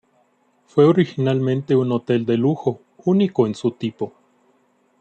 Fue originalmente un hotel de lujo, único en su tipo.